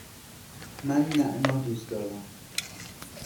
من نعنا دوست دارم.